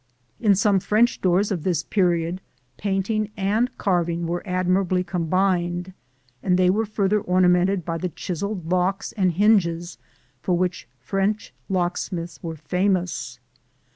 In some French doors of this period painting and carving were admirably combined; and they were further ornamented by the chiselled locks and hinges for which French locksmiths were famous.